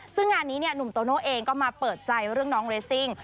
ซึ่งงานนี้เนี่ยหนุ่มโตโน่เองก็มาเปิดใจเรื่องน้องเรสซิ่ง